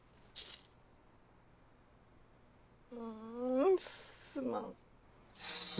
んすまん。